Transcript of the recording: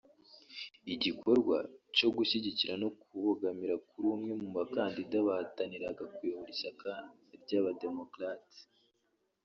Igikorwa cyo gushyigikira no kubogamira kuri umwe mu bakandida bahataniraga kuyobora ishyaka ry’Aba-Democrates